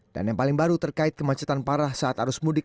dan yang paling baru terkait kemacetan parah saat arus mudik